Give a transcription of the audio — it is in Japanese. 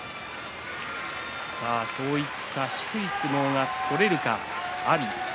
そういった低い相撲が取れるか、阿炎。